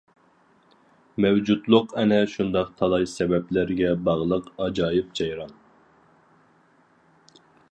مەۋجۇتلۇق ئەنە شۇنداق تالاي سەۋەبلەرگە باغلىق ئاجايىپ جەريان.